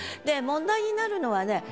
で問題になるのはね